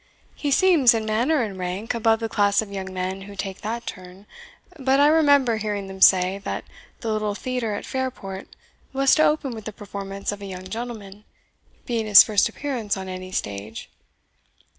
He seems, in manner and rank, above the class of young men who take that turn; but I remember hearing them say, that the little theatre at Fairport was to open with the performance of a young gentleman, being his first appearance on any stage.